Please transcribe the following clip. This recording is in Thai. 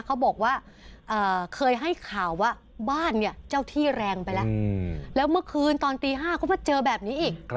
เขาบอกว่าเคยให้ข่าวว่าบ้านเนี่ยเจ้าที่แรงไปแล้วแล้วเมื่อคืนตอนตี๕ก็มาเจอแบบนี้อีก